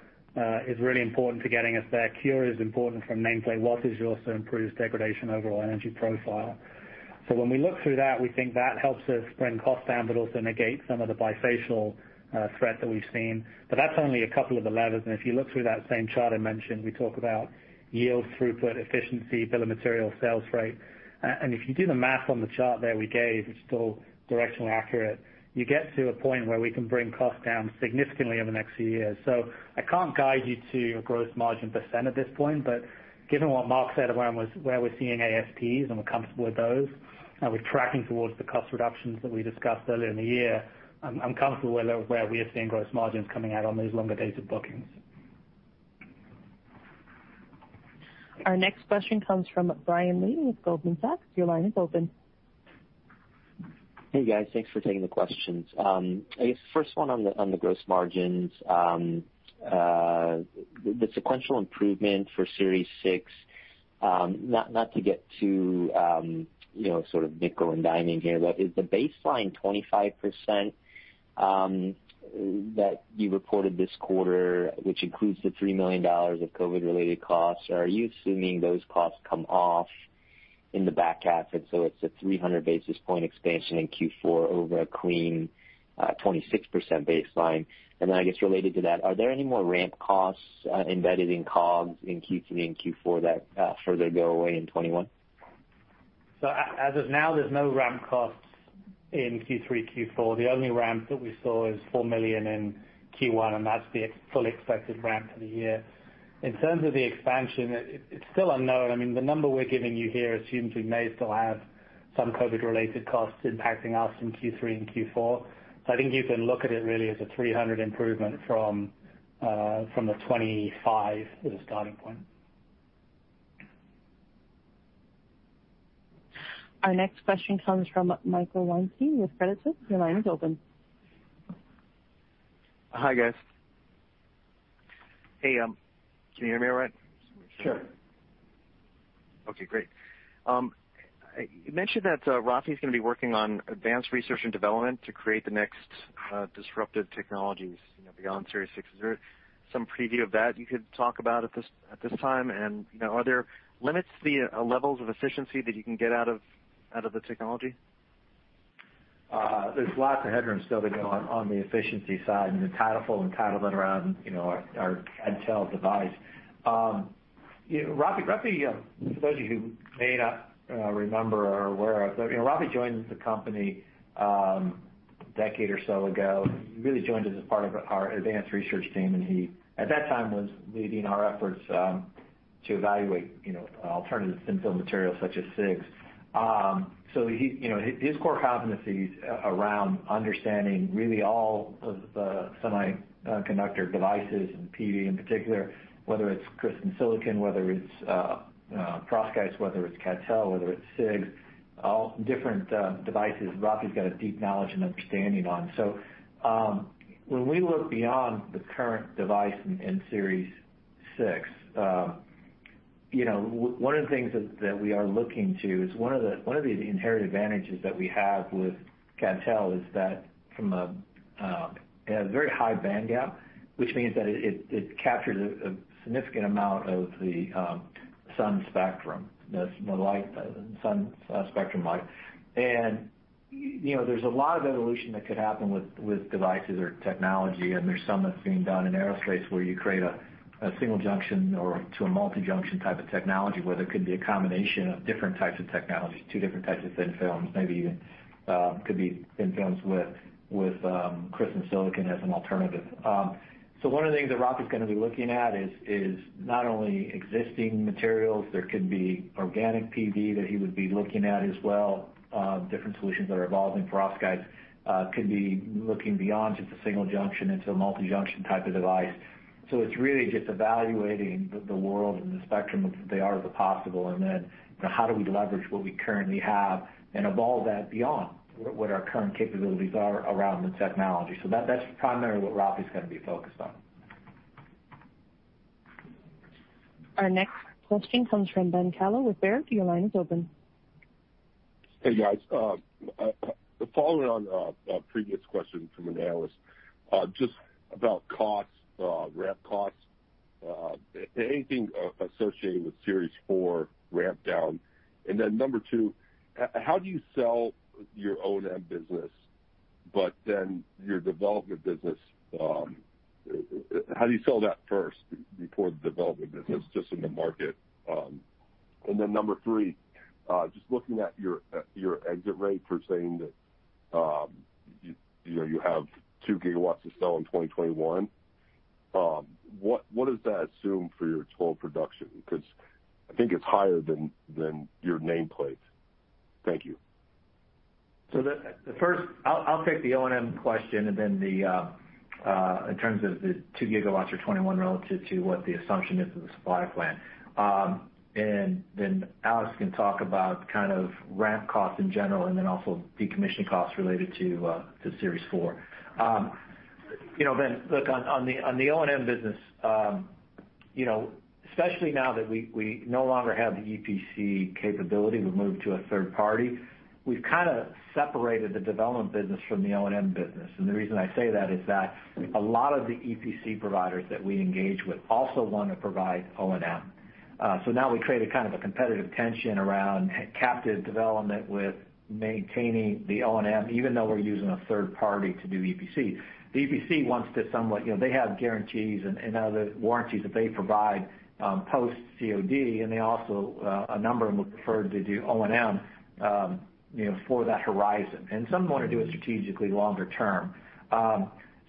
is really important to getting us there. CuRe is important from nameplate wattage. It also improves degradation overall energy profile. When we look through that, we think that helps us bring costs down, but also negates some of the bifacial threat that we've seen. That's only a couple of the levers, and if you look through that same chart I mentioned, we talk about yield throughput, efficiency, bill of material, sales rate. If you do the math on the chart that we gave, it's still directionally accurate. You get to a point where we can bring costs down significantly over the next few years. I can't guide you to a gross margin % at this point, but given what Mark said, where we're seeing ASPs, and we're comfortable with those, and we're tracking towards the cost reductions that we discussed earlier in the year, I'm comfortable with where we are seeing gross margins coming out on those longer dates of bookings. Our next question comes from Brian Lee with Goldman Sachs. Your line is open. Hey, guys. Thanks for taking the questions. I guess first one on the gross margins. The sequential improvement for Series 6, not to get too nickel and diming here, but is the baseline 25% that you reported this quarter, which includes the $3 million of COVID-related costs, are you assuming those costs come off in the back half, and so it's a 300 basis point expansion in Q4 over a clean 26% baseline? I guess, related to that, are there any more ramp costs embedded in COGS in Q3 and Q4 that further go away in 2021? As of now, there's no ramp costs in Q3, Q4. The only ramp that we saw is $4 million in Q1, and that's the full expected ramp for the year. In terms of the expansion, it's still unknown. The number we're giving you here assumes we may still have some COVID-related costs impacting us in Q3 and Q4. I think you can look at it really as a $300 improvement from the $25 as a starting point. Our next question comes from Michael Weinstein with Credit Suisse. Your line is open. Hi, guys. Hey, can you hear me all right? Sure. Okay, great. You mentioned that Raffi's going to be working on advanced research and development to create the next disruptive technologies, beyond Series 6. Is there some preview of that you could talk about at this time, and are there limits to the levels of efficiency that you can get out of the technology? There's lots of headroom still to go on the efficiency side, and the title phone carve around our CdTe device. Raffi, for those of you who may not remember or are aware of, Raffi joined the company a decade or so ago. He really joined as a part of our advanced research team, and he, at that time, was leading our efforts to evaluate alternative thin-film materials such as CIGS. His core competencies around understanding really all of the semiconductor devices and PV in particular, whether it's crystalline silicon, whether it's perovskites, whether it's CdTe, whether it's CIGS, all different devices, Raffi's got a deep knowledge and understanding on. When we look beyond the current device in Series 6, one of the things that we are looking to is one of the inherent advantages that we have with CdTe is that it has very high bandgap, which means that it captures a significant amount of the sun spectrum light. There's a lot of evolution that could happen with devices or technology, and there's some that's being done in aerospace where you create a single junction or to a multi-junction type of technology, where there could be a combination of different types of technologies, two different types of thin films, maybe even could be thin films with crystalline silicon as an alternative. One of the things that Raffi's going to be looking at is not only existing materials, there could be organic PV that he would be looking at as well, different solutions that are evolving. perovskites could be looking beyond just a single junction into a multi-junction type of device. It's really just evaluating the world and the spectrum of the art of the possible, and then how do we leverage what we currently have and evolve that beyond what our current capabilities are around the technology. That's primarily what Raffi's going to be focused on. Our next question comes from Ben Kallo with Baird. Your line is open. Hey, guys. Following on a previous question from an analyst, just about costs, ramp costs, anything associated with Series 4 ramp down? Number 2, how do you sell your O&M business, but then your development business, how do you sell that first before the development business just in the market? Number 3, just looking at your exit rate for saying that you have 2 GW to sell in 2021, what does that assume for your total production? Because I think it's higher than your nameplate. Thank you. First, I'll take the O&M question. In terms of the 2 GW for 2021 relative to what the assumption is of the supply plan. Alex can talk about ramp costs in general, also decommissioning costs related to Series 4. Ben, look, on the O&M business, especially now that we no longer have the EPC capability, we've moved to a third party. We've kind of separated the development business from the O&M business, and the reason I say that is that a lot of the EPC providers that we engage with also want to provide O&M. Now we created kind of a competitive tension around captive development with maintaining the O&M, even though we're using a third party to do EPC. The EPC wants to. They have guarantees and now the warranties that they provide, post COD, a number of them would prefer to do O&M for that horizon. Some want to do it strategically longer term.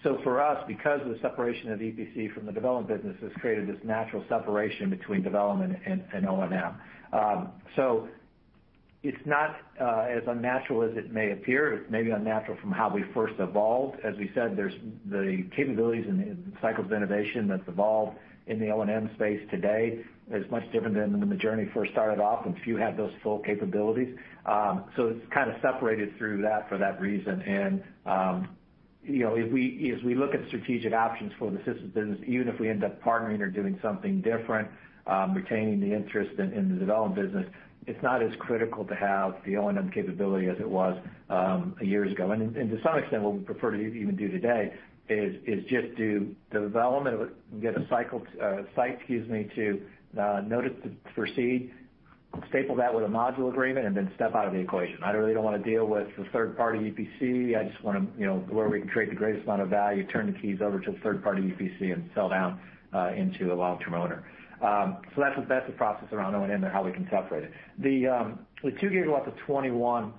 For us, because of the separation of EPC from the development business, has created this natural separation between development and O&M. It's not as unnatural as it may appear. It's maybe unnatural from how we first evolved. As we said, there's the capabilities and the cycles of innovation that's evolved in the O&M space today is much different than when the journey first started off, and few had those full capabilities. It's kind of separated through that for that reason. As we look at strategic options for the systems business, even if we end up partnering or doing something different, retaining the interest in the development business, it's not as critical to have the O&M capability as it was years ago. To some extent, what we prefer to even do today is just do development, get a site, excuse me, to notice to proceed, staple that with a module agreement, and then step out of the equation. I really don't want to deal with the third-party EPC. I just want to, where we can create the greatest amount of value, turn the keys over to a third-party EPC and sell down into a long-term owner. That's the process around O&M and how we can separate it. The 2 GW of 2021,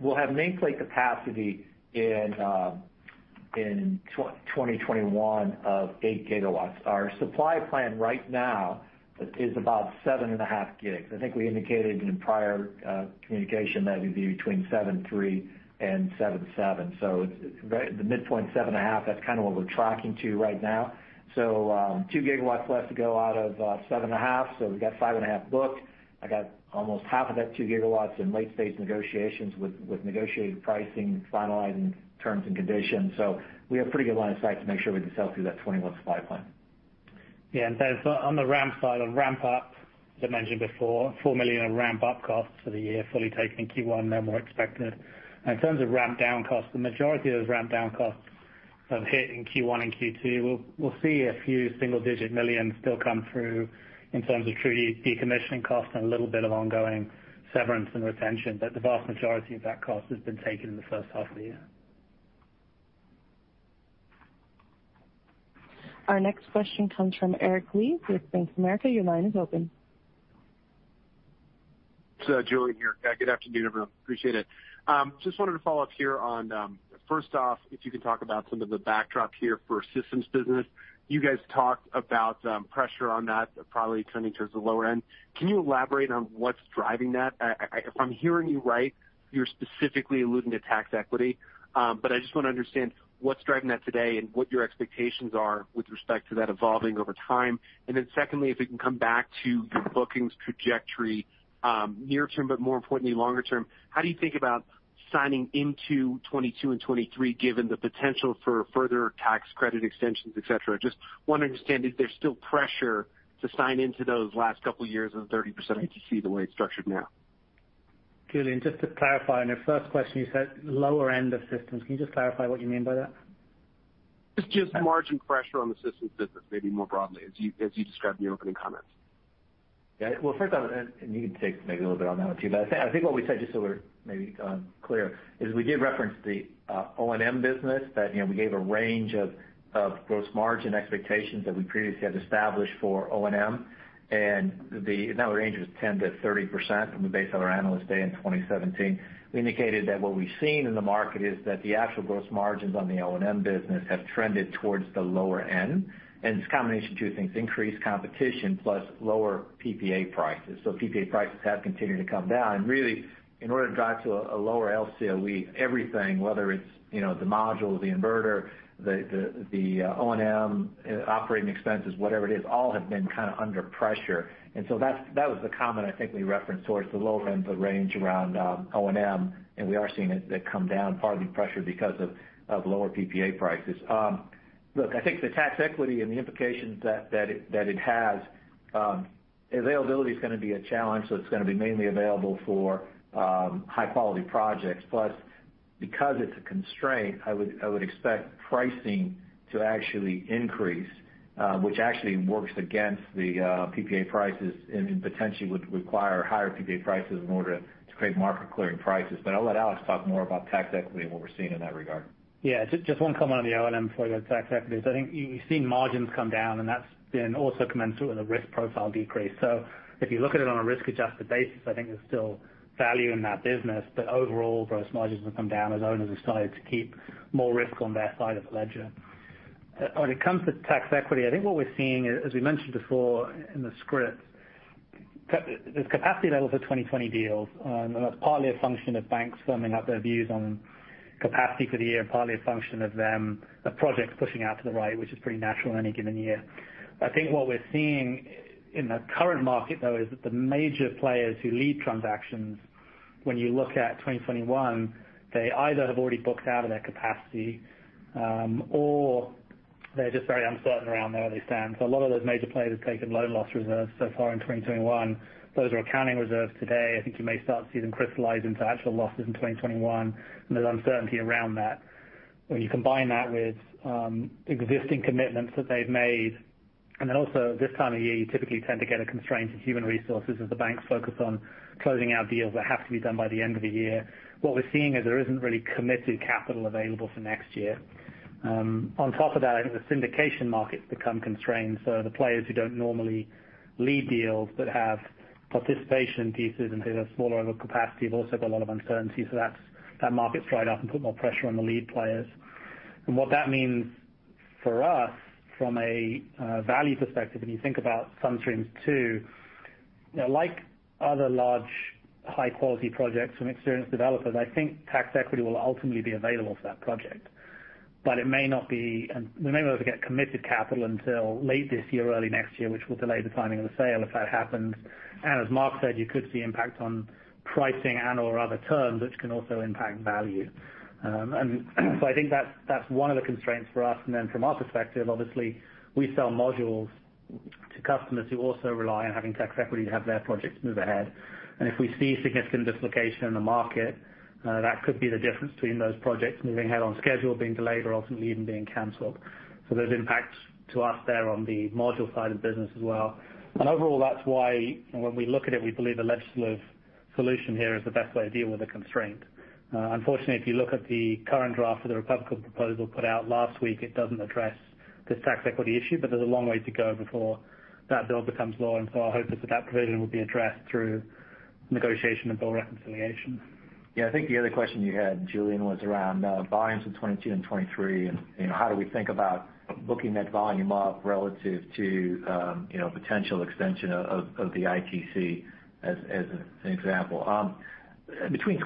we'll have nameplate capacity in 2021 of 8 GW. Our supply plan right now is about 7.5 gigs. I think we indicated in prior communication that it'd be between 7.3 and 7.7. It's the midpoint, 7.5. That's kind of what we're tracking to right now. 2 GW left to go out of 7.5. We've got 5.5 booked. I got almost half of that 2 GW in late-stage negotiations with negotiated pricing, finalizing terms and conditions. We have pretty good line of sight to make sure we can sell through that 2021 supply plan. Yeah. On the ramp side, on ramp-up, as I mentioned before, $4 million in ramp-up costs for the year fully taken in Q1, no more expected. In terms of ramp-down costs, the majority of those ramp-down costs have hit in Q1 and Q2. We'll see a few single-digit million still come through in terms of true decommissioning costs and a little bit of ongoing severance and retention. The vast majority of that cost has been taken in the first half of the year. Our next question comes from Eric Lee with Bank of America. Your line is open. It's Julien here. Good afternoon, everyone. Appreciate it. Just wanted to follow up here on, first off, if you could talk about some of the backdrop here for systems business. You guys talked about pressure on that probably trending towards the lower end. Can you elaborate on what's driving that? If I'm hearing you right, you're specifically alluding to tax equity. I just want to understand what's driving that today and what your expectations are with respect to that evolving over time. Secondly, if we can come back to your bookings trajectory, near term, but more importantly, longer term, how do you think about signing into 2022 and 2023 given the potential for further tax credit extensions, et cetera? Just want to understand if there's still pressure to sign into those last couple years of the 30% PTC the way it's structured now. Julien, just to clarify, on your first question, you said lower end of systems. Can you just clarify what you mean by that? It's just margin pressure on the systems business, maybe more broadly, as you described in your opening comments. Yeah. Well, first off, and you can take maybe a little bit on that one, too. I think what we said, just so we're maybe clear, is we did reference the O&M business that we gave a range of gross margin expectations that we previously had established for O&M, and that range was 10%-30%, based on our Analyst Day in 2017. We indicated that what we've seen in the market is that the actual gross margins on the O&M business have trended towards the lower end. It's a combination of two things, increased competition plus lower PPA prices. PPA prices have continued to come down. Really, in order to drive to a lower LCOE, everything, whether it's the module, the inverter, the O&M operating expenses, whatever it is, all have been kind of under pressure. That was the comment I think we referenced towards the lower end of the range around O&M, and we are seeing it come down partly pressure because of lower PPA prices. I think the tax equity and the implications that it has, availability is going to be a challenge, so it's going to be mainly available for high-quality projects. Because it's a constraint, I would expect pricing to actually increase, which actually works against the PPA prices and potentially would require higher PPA prices in order to create market clearing prices. I'll let Alex talk more about tax equity and what we're seeing in that regard. Yeah. Just one comment on the O&M before I go to tax equity. I think you've seen margins come down, and that's been also commensurate with a risk profile decrease. If you look at it on a risk-adjusted basis, I think there's still value in that business. Overall, gross margins have come down as owners have decided to keep more risk on their side of the ledger. When it comes to tax equity, I think what we're seeing, as we mentioned before in the script, there's capacity levels of 2020 deals, and that's partly a function of banks firming up their views on capacity for the year, and partly a function of projects pushing out to the right, which is pretty natural in any given year. I think what we're seeing in the current market, though, is that the major players who lead transactions, when you look at 2021, they either have already booked out of their capacity, or they're just very uncertain around where they stand. A lot of those major players have taken loan loss reserves so far in 2021. Those are accounting reserves today. I think you may start to see them crystallize into actual losses in 2021, and there's uncertainty around that. When you combine that with existing commitments that they've made, and then also at this time of year, you typically tend to get a constraint in human resources as the banks focus on closing out deals that have to be done by the end of the year. What we're seeing is there isn't really committed capital available for next year. On top of that, the syndication market's become constrained, so the players who don't normally lead deals but have participation pieces and who have smaller overcapacity have also got a lot of uncertainty, so that market's dried up and put more pressure on the lead players. What that means for us from a value perspective, when you think about Sun Streams 2, like other large, high-quality projects from experienced developers, I think tax equity will ultimately be available for that project. We may not get committed capital until late this year, early next year, which will delay the timing of the sale if that happens. As Mark said, you could see impact on pricing and/or other terms, which can also impact value. I think that's one of the constraints for us. From our perspective, obviously, we sell modules to customers who also rely on having tax equity to have their projects move ahead. If we see significant dislocation in the market, that could be the difference between those projects moving ahead on schedule, being delayed, or ultimately even being canceled. There's impacts to us there on the module side of the business as well. Overall, that's why when we look at it, we believe a legislative solution here is the best way to deal with the constraint. Unfortunately, if you look at the current draft of the Republican proposal put out last week, it doesn't address this tax equity issue. There's a long way to go before that bill becomes law, our hope is that that provision will be addressed through negotiation and bill reconciliation. Yeah. I think the other question you had, Julien, was around volumes for 2022 and 2023, and how do we think about booking that volume up relative to potential extension of the ITC, as an example. Between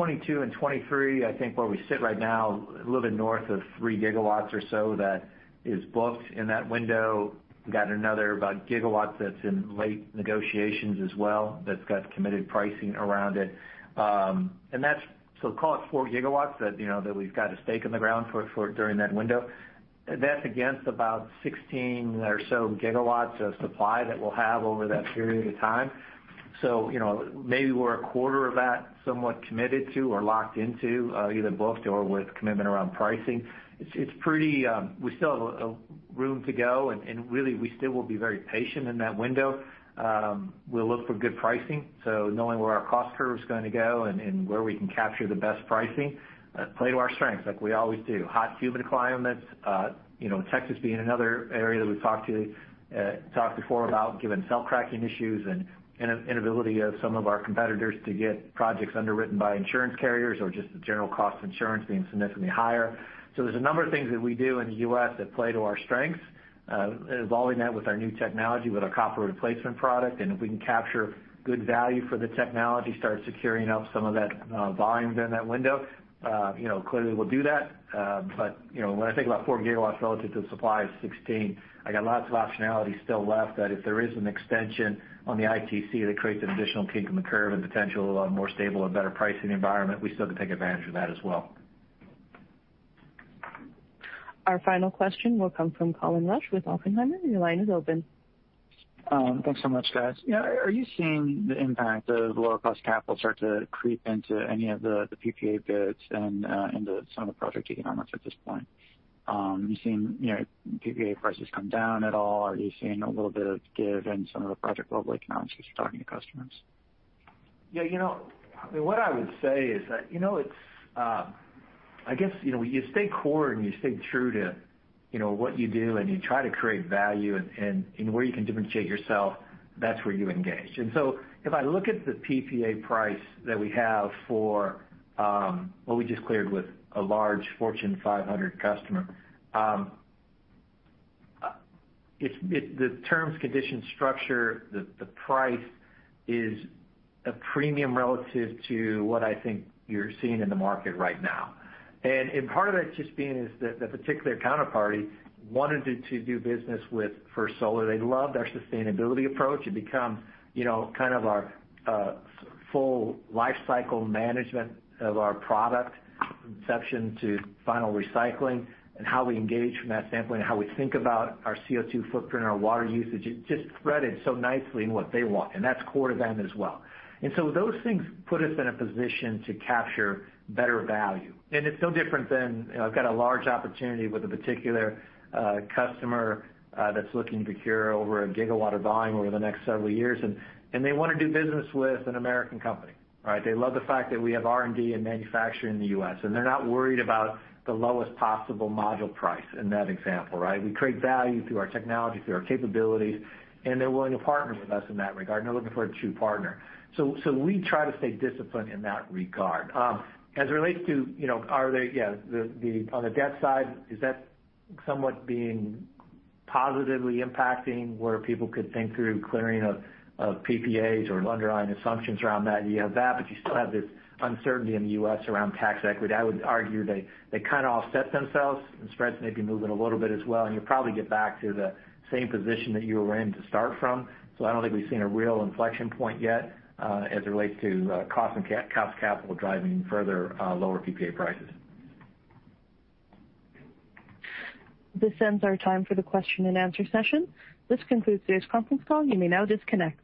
2022 and 2023, I think where we sit right now, a little bit north of three GW or so that is booked in that window. Got another about a gigawatt that's in late negotiations as well, that's got committed pricing around it. Call it four GW that we've got a stake in the ground for during that window. That's against about 16 or so GW of supply that we'll have over that period of time. Maybe we're a quarter of that, somewhat committed to or locked into, either booked or with commitment around pricing. We still have room to go and, really, we still will be very patient in that window. We'll look for good pricing, so knowing where our cost curve is going to go and where we can capture the best pricing. Play to our strengths like we always do. Hot humid climates, Texas being another area that we've talked before about given cell cracking issues and inability of some of our competitors to get projects underwritten by insurance carriers or just the general cost of insurance being significantly higher. There's a number of things that we do in the U.S. that play to our strengths, evolving that with our new technology, with our copper replacement product, and if we can capture good value for the technology, start securing up some of that volume during that window, clearly we'll do that. When I think about four GW relative to the supply of 16, I got lots of optionality still left that if there is an extension on the ITC that creates an additional kink in the curve and potential of a more stable and better pricing environment, we still can take advantage of that as well. Our final question will come from Colin Rusch with Oppenheimer. Your line is open. Thanks so much, guys. Are you seeing the impact of lower cost capital start to creep into any of the PPA bids and into some of the project economics at this point? Are you seeing PPA prices come down at all? Are you seeing a little bit of give in some of the project-level economics as you're talking to customers? What I would say is that, I guess, you stay core and you stay true to what you do, and you try to create value and where you can differentiate yourself, that's where you engage. If I look at the PPA price that we have for what we just cleared with a large Fortune 500 customer, the terms, conditions, structure, the price is a premium relative to what I think you're seeing in the market right now. Part of that just being is that the particular counterparty wanted to do business with First Solar. They love their sustainability approach. It become kind of our full life cycle management of our product from inception to final recycling, and how we engage from that standpoint, and how we think about our CO2 footprint and our water usage. It just threaded so nicely in what they want, and that's core to them as well. Those things put us in a position to capture better value. It's no different than, I've got a large opportunity with a particular customer that's looking to procure over a gigawatt of volume over the next several years, and they want to do business with an American company, right? They love the fact that we have R&D and manufacturing in the U.S., and they're not worried about the lowest possible module price in that example, right? We create value through our technology, through our capabilities, and they're willing to partner with us in that regard, and they're looking for a true partner. We try to stay disciplined in that regard. As it relates to on the debt side, is that somewhat being positively impacting where people could think through clearing of PPAs or underlying assumptions around that? You have that, but you still have this uncertainty in the U.S. around tax equity. I would argue they kind of offset themselves and spreads may be moving a little bit as well, and you'll probably get back to the same position that you were in to start from. I don't think we've seen a real inflection point yet, as it relates to cost of capital driving further lower PPA prices. This ends our time for the question and answer session. This concludes today's conference call. You may now disconnect.